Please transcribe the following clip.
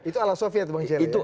itu ala soviet bang celi